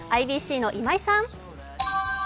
ＩＢＣの今井さん。